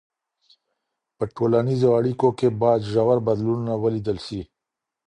په ټولنیزو اړیکو کي باید ژور بدلونونه ولیدل سي.